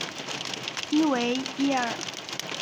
伊维耶尔。